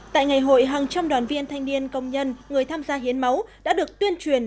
tại ngày hội hàng trăm đoàn viên thanh niên công nhân người tham gia hiến máu đã được tuyên truyền